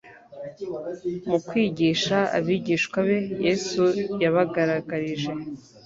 Mu kwigisha abigishwa be, Yesu yabagaragarije